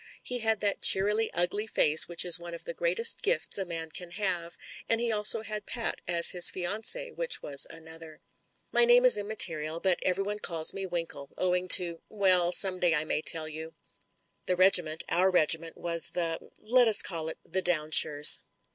He had that cheerily ugly face which is one of the greatest gifts a man THE FATAL SECOND loi can have, and he also had Pat as his fiancee, which was another. My name is immaterial, but everyone calls me Winkle, owing to— Well, some day I may tell you. The regiment, our regiment, was the, let us call it the Downshires.